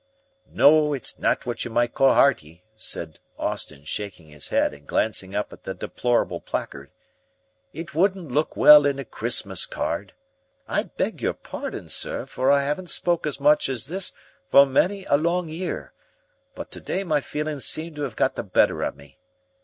|++ "No, it's not what you might call 'earty," said Austin, shaking his head and glancing up at the deplorable placard. "It wouldn't look well in a Christmas card. I beg your pardon, sir, for I haven't spoke as much as this for many a long year, but to day my feelings seem to 'ave got the better of me.